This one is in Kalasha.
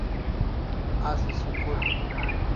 Asi school